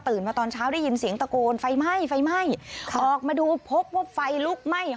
มาตอนเช้าได้ยินเสียงตะโกนไฟไหม้ไฟไหม้ออกมาดูพบว่าไฟลุกไหม้